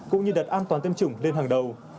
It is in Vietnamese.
cũng như đặt an toàn tiêm chủng lên hàng đầu